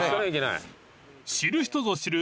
［知る人ぞ知る］